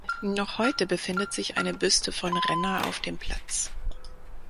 Noch heute befindet sich eine Büste von Renner auf dem Platz.